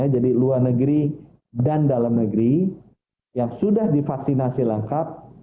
jadi luar negeri dan dalam negeri yang sudah divaksinasi lengkap